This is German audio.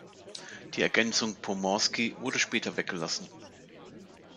Die Ergänzung "Pomorski" wurde später weggelassen.